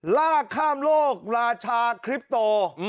ลากข้ามโลกราชาคลิปโต